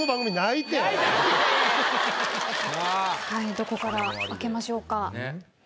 どこから開けましょうか？